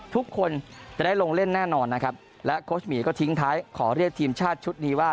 ทุกคนจะได้ลงเล่นแน่นอนนะครับและโค้ชหมีก็ทิ้งท้ายขอเรียกทีมชาติชุดนี้ว่า